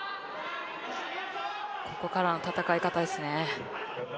ここからの戦い方です。